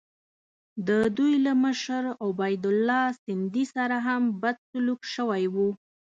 د دوی له مشر عبیدالله سندي سره هم بد سلوک شوی وو.